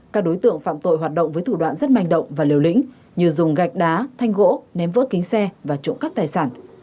các đối tượng phạm tội hoạt động với thủ đoạn rất manh động và liều lĩnh như dùng gạch đá thanh gỗ ném vỡ kính xe và trộm cắp tài sản